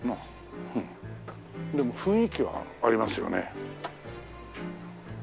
でも雰囲気はありますよね。